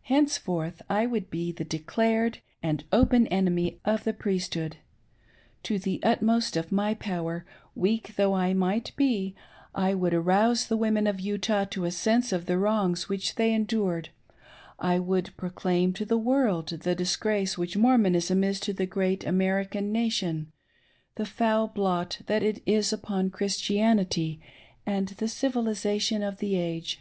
Henceforth I would be the declared and opein enemy of the Priesthood. To the utmost of my power — weak though I might be^— I would arouse the women of Utah to a sense of the wrongs which they endured; I would proclaim to the world the disgrace which Mormonism is to the great American nation, the foul blot that it is upon Christianity and the civilisation of the age!